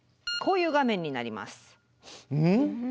うん？